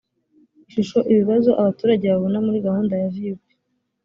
ishusho ibibazo abaturage babona muri gahunda ya vup